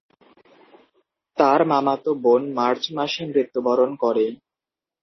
তার মামাতো বোন মার্চ মাসে মৃত্যুবরণ করে।